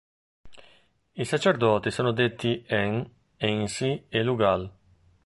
I sacerdoti sono detti "en", "ensi" e "lugal".